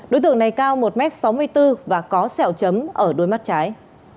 đối tượng này cao một m sáu mươi bốn và có sẹo chấm ở đuôi mắt trái